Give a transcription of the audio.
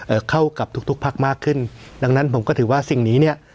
เข้ากับทุกทุกพักมากขึ้นดังนั้นผมก็ถือว่าสิ่งนี้เนี้ย